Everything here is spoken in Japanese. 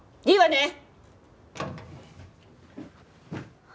いいわね？